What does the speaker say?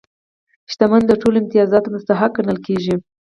شتمن د ټولو امتیازاتو مستحق ګڼل کېږي.